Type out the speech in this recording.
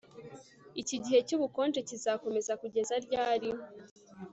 iki gihe cyubukonje kizakomeza kugeza ryari